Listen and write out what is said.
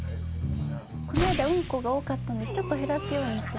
この間うんこが多かったのでちょっと減らすようにって会議でなった。